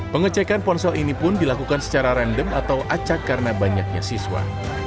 pengecekan ponsel ini pun dilakukan secara random atau acak karena banyaknya siswa